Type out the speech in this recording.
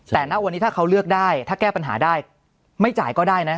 แต่ณวันนี้ถ้าเขาเลือกได้ถ้าแก้ปัญหาได้ไม่จ่ายก็ได้นะ